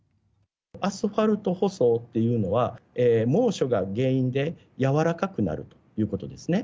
アスファルト舗装というのは、猛暑が原因で軟らかくなるということですね。